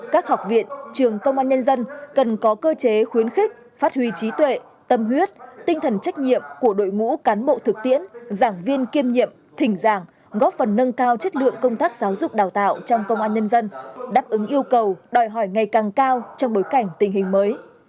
các học viện trường công an nhân dân cần có cơ chế khuyến khích phát huy trí tuệ tâm huyết tinh thần trách nhiệm của đội ngũ cán bộ thực tiễn giảng viên kiêm nhiệm thỉnh giảng góp phần nâng cao chất lượng công tác giáo dục đào tạo trong công an nhân dân đáp ứng yêu cầu đòi hỏi ngày càng cao trong bối cảnh tình hình mới